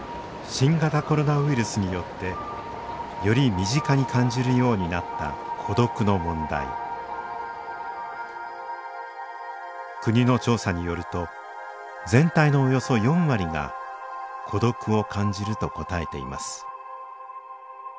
新型コロナウイルスによってより身近に感じるようになった孤独の問題国の調査によると全体のおよそ４割が孤独を感じると答えています